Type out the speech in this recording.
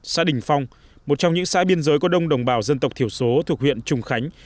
xã đình phong một trong những xã biên giới có đông đồng bào dân tộc thiểu số thuộc huyện trùng khánh